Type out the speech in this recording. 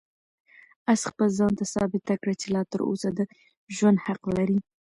آس خپل ځان ته ثابته کړه چې لا تر اوسه د ژوند حق لري.